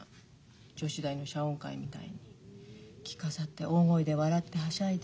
女子大の謝恩会みたいに着飾って大声で笑ってはしゃいで。